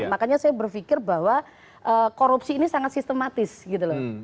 makanya saya berpikir bahwa korupsi ini sangat sistematis gitu loh